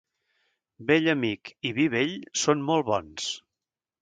Vell amic i vi vell són molt bons.